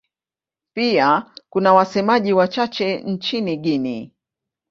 Pia kuna wasemaji wachache nchini Guinea.